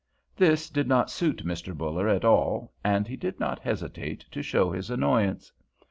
This did not suit Mr. Buller at all, and he did not hesitate to show his annoyance.